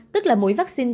tức là mũi vaccine